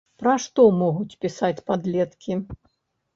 Пра што могуць пісаць падлеткі?